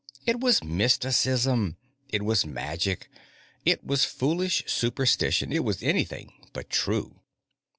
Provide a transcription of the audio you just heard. It was mysticism; it was magic; it was foolish superstition. It was anything but true.